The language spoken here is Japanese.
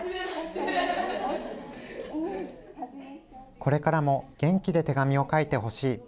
これからも元気で手紙を書いてほしい。